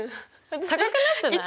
高くなってない？